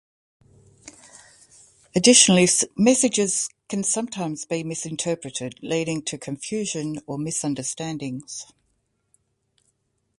Additionally, messages can sometimes be misinterpreted, leading to confusion or misunderstandings.